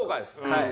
はい。